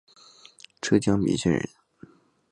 浙江鄞县人。